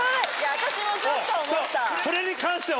私もちょっと思った。